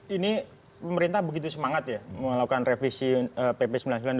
ini pemerintah begitu semangat ya melakukan revisi pp sembilan puluh sembilan dua ribu